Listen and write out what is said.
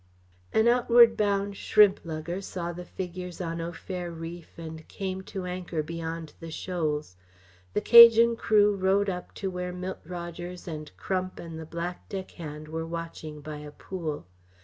An outward bound shrimp lugger saw the figures on Au Fer reef and came to anchor beyond the shoals. The Cajan crew rowed up to where Milt Rogers and Crump and the black deckhand were watching by a pool.